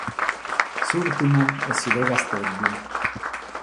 S'ùrtimu est su de Casteddu.